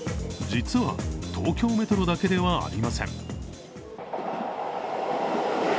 実は東京メトロだけではありません。